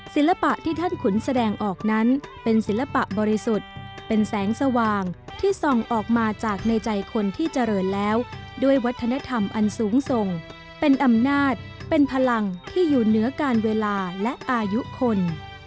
ศิลปะที่ท่านขุนแสดงออกนั้นเป็นศิลปะบริสุทธิ์เป็นแสงสว่างที่ส่องออกมาจากในใจคนที่เจริญแล้วด้วยวัฒนธรรมอันสูงส่งเป็นอำนาจเป็นพลังที่อยู่เหนือการเวลาและอายุคน